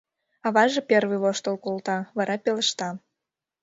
Аваже первый воштыл колта, вара пелешта: